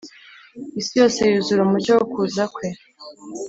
. Isi yose yuzura umucyo wo kuza Kwe